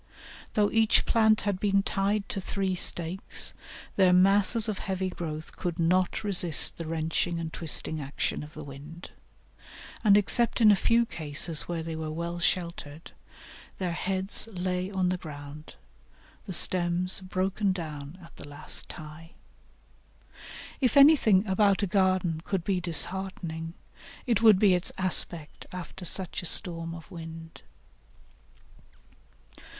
Though each plant had been tied to three stakes, their masses of heavy growth could not resist the wrenching and twisting action of the wind, and except in a few cases where they were well sheltered, their heads lay on the ground, the stems broken down at the last tie. If anything about a garden could be disheartening, it would be its aspect after such a storm of wind.